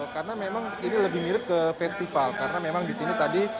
karena memang ini lebih mirip ke festival karena memang disini tadi